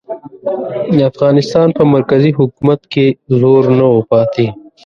د افغانستان په مرکزي حکومت کې زور نه و پاتې.